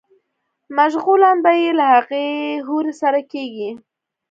مشغولا به ئې له هغې حورې سره کيږي